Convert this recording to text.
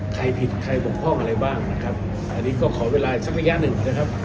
ใครผิดใครบกพร่องอะไรบ้างนะครับอันนี้ก็ขอเวลาอีกสักระยะหนึ่งนะครับ